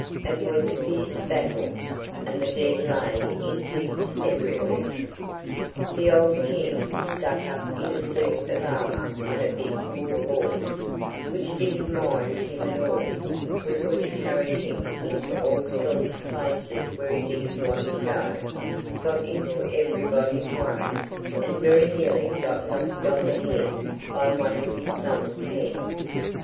It was a fierce battle, and the dead lay in heaps everywhere. The old King, stuck up in a suit of armour on a big war horse, which didn't mind him at all, and which carried him into all sorts of places where he didn't want to go, got into everybody's way, and very nearly got knocked on the head by one of his son's men.